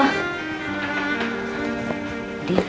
eh eh eh kenapa